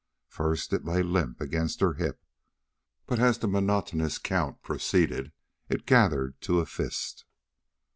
First it lay limp against her hip, but as the monotonous count proceeded it gathered to a fist.